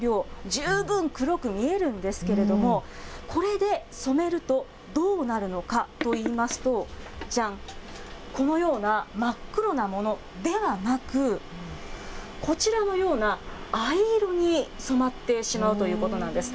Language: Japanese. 十分黒く見えるんですけれども、これで染めるとどうなるのかといいますと、じゃん、このような真っ黒なものではなく、こちらのような藍色に染まってしまうということなんです。